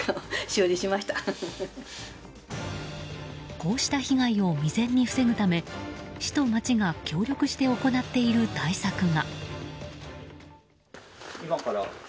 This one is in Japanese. こうした被害を未然に防ぐため市と町が協力して行っている対策が。